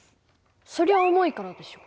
そりゃ重いからでしょ。